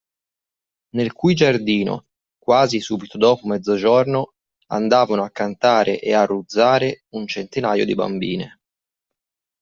Nel cui giardino, quasi subito dopo mezzogiorno, andavano a cantare e a ruzzare un centinaio di bambine.